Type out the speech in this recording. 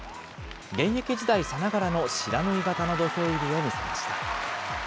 現役時代さながらの不知火型の土俵入りを見せました。